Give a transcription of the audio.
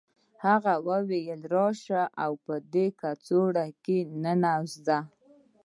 هغه وویل چې راشه او په دې کڅوړه کې ننوځه